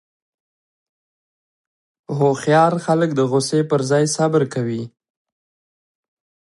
هوښیار خلک د غوسې پر ځای صبر کوي.